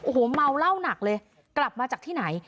โอ้โหเมาเหล้าหนักเลยกลับมาจากที่ไหน